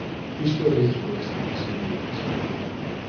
Isto é o que lles molesta, señorías.